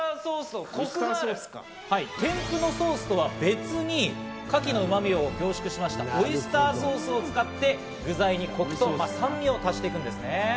添付のソースとは別にカキのうまみを濃縮しましたオイスターソースを使って具材にコクと酸味を足していくんですね。